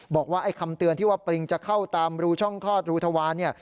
บอกว่าไอ้คำเตือนที่ว่าปริงจะเข้าตามรูช่องคลอดรูทวารเนี่ย